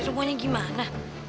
di rumahnya gimana